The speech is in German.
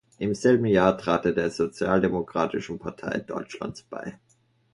Im selben Jahr trat er der Sozialdemokratischen Partei Deutschlands bei.